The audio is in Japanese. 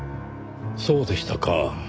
そうでしたか。